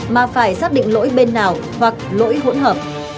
mà phải xác định lỗi bên nào hoặc lỗi hỗn hợp